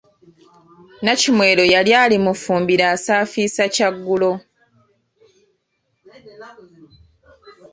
Nnakimwero yali ali mu ffumbiro asaafiisa kyaggulo.